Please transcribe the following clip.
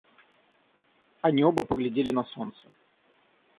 Они оба поглядели на солнце.